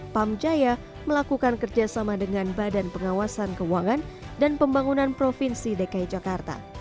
pamjaya melakukan kerjasama dengan badan pengawasan keuangan dan pembangunan provinsi dki jakarta